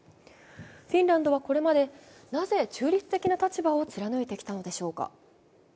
フィンランドはこれまで、なぜ中立的な立場を貫いてきたのでしょうか。